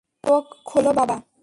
চোখ খোলো, বাবা!